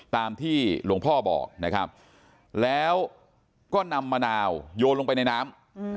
ตามที่หลวงพ่อบอกนะครับแล้วก็นำมะนาวโยนลงไปในน้ำ